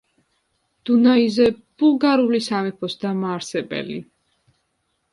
დუნაიზე ბულგარული სამეფოს დამაარსებელი.